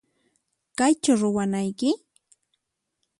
Kaychu ruwanayki?